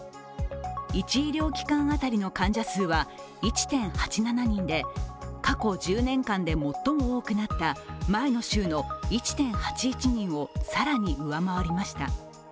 １医療機関当たりの患者数は１．８７人で過去１０年間で最も多くなった前の週の１．８１人を更に上回りました。